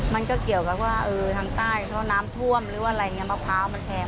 มันก็เกี่ยวกับว่าเออทางใต้เพราะน้ำทวมมะพร้าวมันแพง